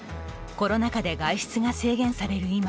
コロナ禍で外出が制限される